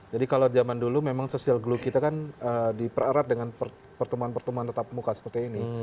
jadi kalau zaman dulu memang social glue kita kan dipererat dengan pertemuan pertemuan tatap muka seperti ini